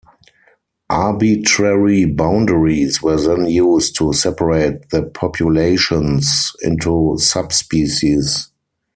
Arbitrary boundaries were then used to separate the populations into subspecies.